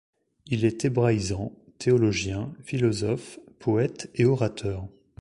Il est hébraïsant, théologien, philosophe, poète et orateur.